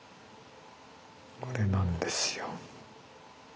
これなんですよ。